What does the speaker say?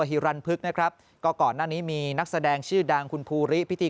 ฮิรันพึกนะครับก็ก่อนหน้านี้มีนักแสดงชื่อดังคุณภูริพิธี